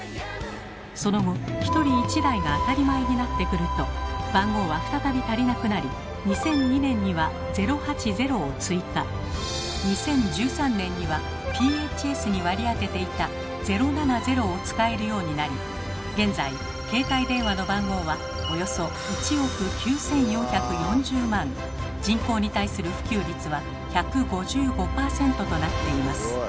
その後１人１台が当たり前になってくると番号は再び足りなくなり２０１３年にはＰＨＳに割り当てていた「０７０」を使えるようになり現在携帯電話の番号はおよそ人口に対する普及率は１５５％となっています。